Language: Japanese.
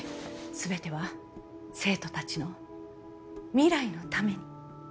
全ては生徒たちの未来のために。